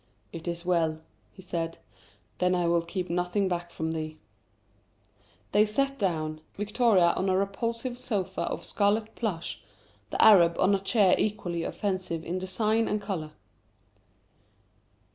"It is well," he said. "Then I will keep nothing back from thee." They sat down, Victoria on a repulsive sofa of scarlet plush, the Arab on a chair equally offensive in design and colour.